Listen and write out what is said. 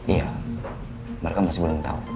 iya mereka masih belum tahu